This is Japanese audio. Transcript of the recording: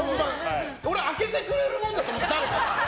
俺開けてくれるもんだと思ってたから！